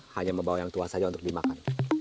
hanya membawa yang tua saja untuk dimakan